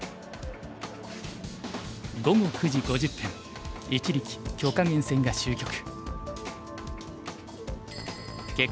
午後９時５０分一力・許家元戦が終局。